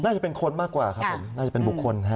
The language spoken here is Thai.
น่าจะเป็นคนมากกว่าครับครับผม